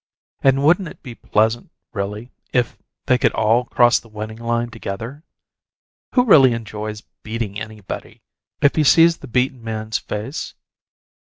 And wouldn't it be pleasant, really, if they could all cross the winning line together? Who really enjoys beating anybody if he sees the beaten man's face?